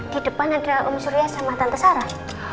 di depan ada om surya sama tante sarah